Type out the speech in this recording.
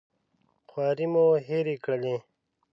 خوارۍ مو هېرې کړلې.